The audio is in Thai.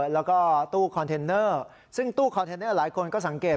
แล้วก็ตู้คอนเทนเนอร์ซึ่งตู้คอนเทนเนอร์หลายคนก็สังเกต